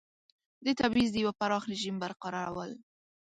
د تبعیض د یوه پراخ رژیم برقرارول دي.